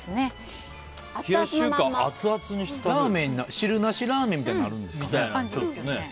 汁なしラーメンみたいになるんですかね。